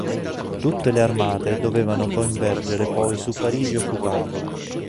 Tutte le armate dovevano convergere poi su Parigi occupandola.